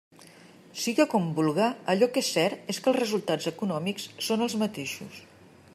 Siga com vulga, allò que és cert és que els resultats econòmics són els mateixos.